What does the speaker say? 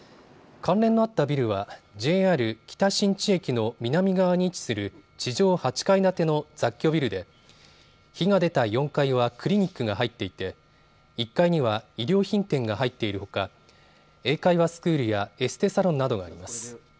火事のあったビルはＪＲ北新地駅の南側に位置する地上８階建ての雑居ビルで火が出た４階はクリニックが入っていて１階には衣料品店が入っているほか英会話スクールやエステサロンなどがあります。